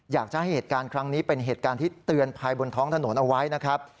อยากจะให้เหตุการณ์ครั้งนี้เป็นเหตุการณ์ที่เตือนภัยบนท้องถนนเอาไว้นะครับ